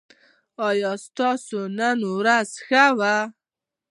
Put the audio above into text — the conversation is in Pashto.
ایا ستاسو نن ورځ ښه وه؟